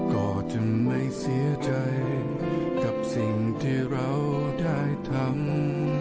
ก็จึงไม่เสียใจกับสิ่งที่เราได้ทำ